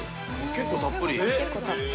結構たっぷり。